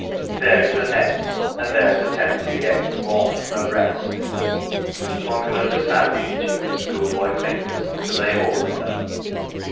There is her nest, and there the tempting eggs warm from her breast one can understand the itching of schoolboy fingers to lay hold of them.